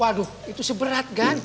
waduh itu seberat gan